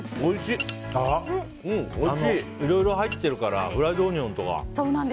いろいろ入ってるからフライドオニオンとか。